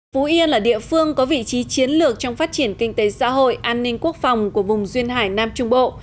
phú yên là địa phương có vị trí chiến lược trong phát triển kinh tế xã hội an ninh quốc phòng của vùng duyên hải nam trung bộ